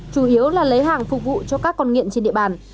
chủ yếu là lấy hàng phục vụ cho các con nghiện trên địa bàn